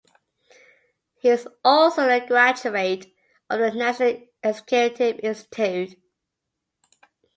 He is also a graduate of the National Executive Institute.